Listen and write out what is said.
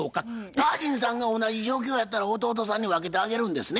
タージンさんが同じ状況やったら弟さんに分けてあげるんですね？